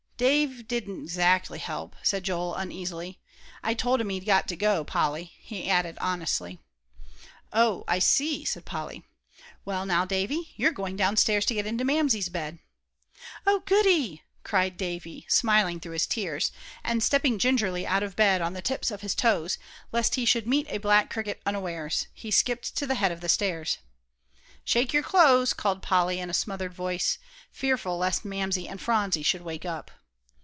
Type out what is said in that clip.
"Dave didn't 'xactly help," said Joel, uneasily. "I told him he'd got to, Polly," he added honestly. "Oh, I see," said Polly. "Well, now, Davie, you're going downstairs to get into Mamsie's bed." "Oh, goody!" cried Davie, smiling through his tears; and stepping gingerly out of bed on the tips of his toes, lest he should meet a black cricket unawares, he skipped to the head of the stairs. "Shake your clothes," called Polly, in a smothered voice, fearful lest Mamsie and Phronsie should wake up.